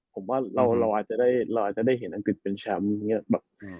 ผมว่าเราอาจจะได้เห็นอังกฤษเป็นแชมป์